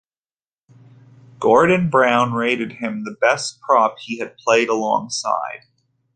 Gordon Brown rated him the best prop he had played alongside.